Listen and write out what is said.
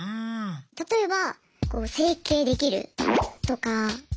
例えば整形できる？とか。